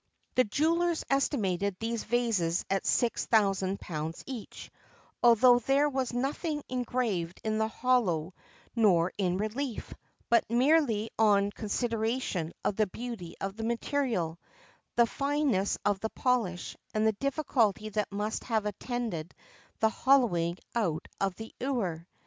The jewellers estimated these vases at £6,000 each, although there was nothing engraved in the hollow nor in relief, but merely on consideration of the beauty of the material, the fineness of the polish, and the difficulty that must have attended the hollowing out of the ewer.